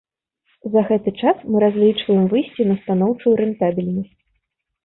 За гэты час мы разлічваем выйсці на станоўчую рэнтабельнасць.